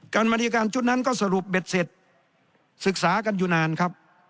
กรรมธิการชุดนั้นก็สรุปเบ็ดเสร็จศึกษากันอยู่นานครับ